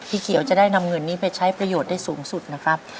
เขียวจะได้นำเงินนี้ไปใช้ประโยชน์ได้สูงสุดนะครับ